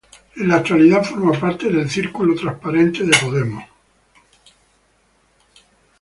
En la actualidad forma parte del "Círculo Transparentes" de Podemos.